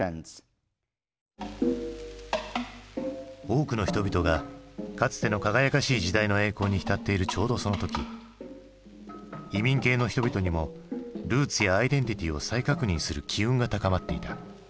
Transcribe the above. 多くの人々がかつての輝かしい時代の栄光に浸っているちょうどその時移民系の人々にもルーツやアイデンティティーを再確認する機運が高まっていた。